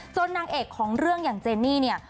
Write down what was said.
นางเอกของเรื่องอย่างเจนี่เนี่ย